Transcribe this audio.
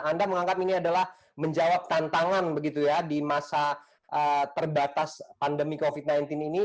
anda menganggap ini adalah menjawab tantangan begitu ya di masa terbatas pandemi covid sembilan belas ini